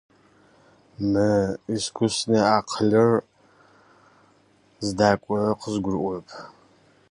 Этот искусственный интеллект, последнее время, так и норовит сбежать.